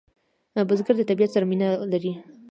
بزګر د طبیعت سره مینه لري